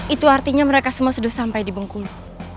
itu artinya mereka semua sedus sampai di bungkulu